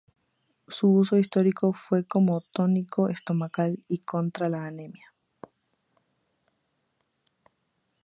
Su uso histórico fue como tónico estomacal, y contra la anemia.